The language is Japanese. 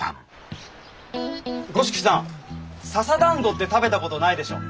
五色さん笹団子って食べたことないでしょう？